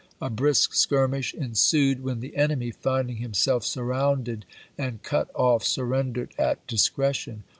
A brisk skirmish ensued, when the enemy, finding himself sm rounded and cut off, surrendered at discretion.